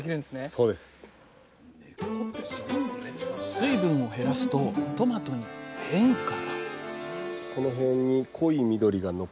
水分を減らすとトマトに変化が！